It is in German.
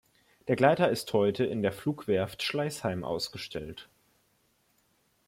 Der Gleiter ist heute in der Flugwerft Schleißheim ausgestellt.